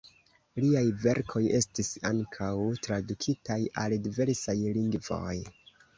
Liaj verkoj estis ankaŭ tradukitaj al diversaj lingvoj.